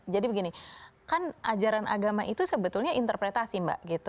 jadi begini kan ajaran agama itu sebetulnya interpretasi mbak